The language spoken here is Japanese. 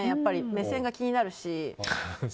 目線が気になるし。